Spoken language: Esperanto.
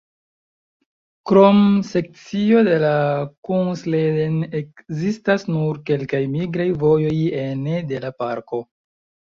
Krom sekcio de la Kungsleden ekzistas nur kelkaj migraj vojoj ene de la parko.